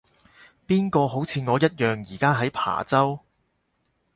邊個好似我一樣而家喺琶洲